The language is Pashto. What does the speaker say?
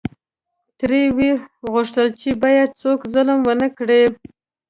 ترې وې غوښتل چې باید څوک ظلم ونکړي.